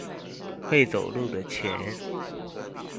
會走路的錢